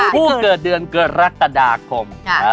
ผู้เกิดเดือนกรกฎาคม